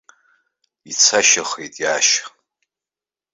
Ицашьахеит иаашьа.